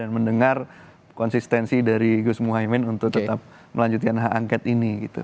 mendengar konsistensi dari gus muhaymin untuk tetap melanjutkan hak angket ini